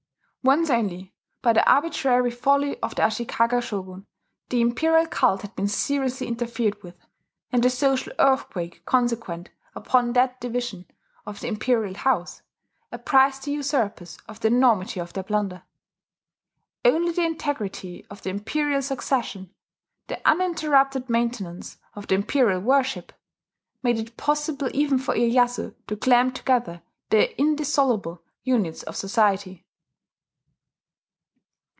Once only, by the arbitrary folly of the Ashikaga shogun, the imperial cult had been seriously interfered with; and the social earthquake consequent upon that division of the imperial house, apprised the usurpers of the enormity of their blunder.... Only the integrity of the imperial succession, the uninterrupted maintenance of the imperial worship, made it possible even for Iyeyasu to clamp together the indissoluble units of society.